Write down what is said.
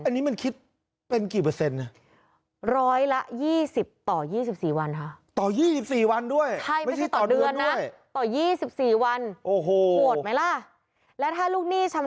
อันนี้มันคิดเป็นกี่เปอร์เซ็นต์นะ